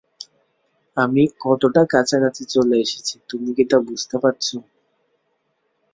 আমি কতটা কাছাকাছি চলে এসেছি তুমি কী তা বুঝতে পারছ?